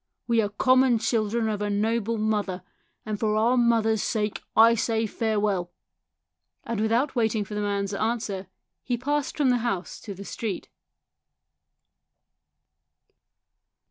We are common children of a noble mother, and for our mother's sake I say farewell." And without waiting for the man's answer he passed from the house to the street.